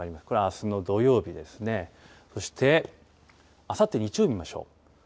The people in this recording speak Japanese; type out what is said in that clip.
これ、あすの土曜日ですね、そしてあさって日曜日見ましょう。